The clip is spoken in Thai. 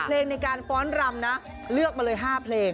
เพลงในการฟ้อนรำนะเลือกมาเลย๕เพลง